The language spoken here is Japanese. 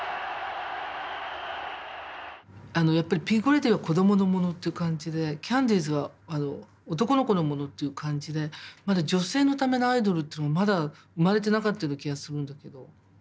やっぱりピンク・レディーは子供のものっていう感じでキャンディーズは男の子のものっていう感じでまだ女性のためのアイドルっていうのがまだ生まれてなかったような気がするんだけど。